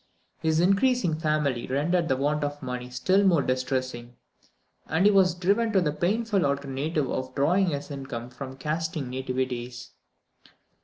His increasing family rendered the want of money still more distressing, and he was driven to the painful alternative of drawing his income from casting nativities.